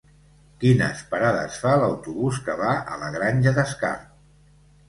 Quines parades fa l'autobús que va a la Granja d'Escarp?